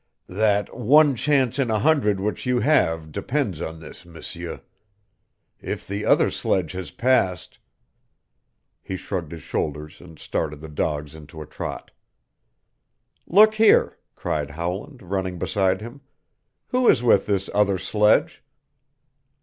That one chance in a hundred which you have depends on this, M'seur. If the other sledge has passed " He shrugged his shoulders and started the dogs into a trot. "Look here," cried Howland, running beside him. "Who is with this other sledge?"